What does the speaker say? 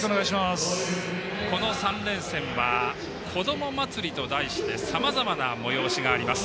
この３連戦はこどもまつりと題しましてさまざまな催しがあります。